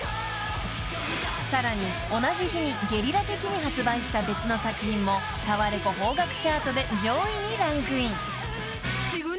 ［さらに同じ日にゲリラ的に発売した別の作品もタワレコ邦楽チャートで上位にランクイン］